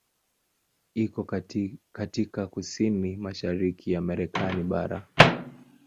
Iko katika kusini-mashariki ya Marekani bara.